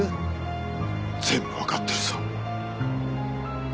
全部分かってるぞ。